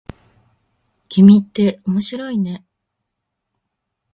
君って面白いね。